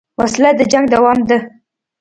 وسله د جنګ دوام ده